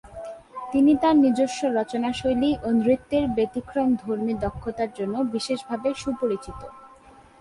তিনি তার নিজস্ব রচনাশৈলী ও নৃত্যের ব্যতিক্রমধর্মী দক্ষতার জন্য বিশেষভাবে সুপরিচিত।